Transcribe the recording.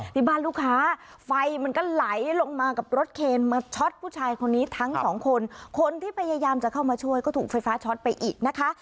ที่บ้านลูกค้าไฟมันก็ไหลลงมากับรถเคนมาช็อตผู้ชายคนนี้ทั้งสองคนคนที่พยายามจะเข้ามาช่วยก็ถูกไฟฟ้าช็อตไปอีกนะคะ